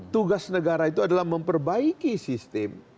tugas negara itu adalah memperbaiki sistem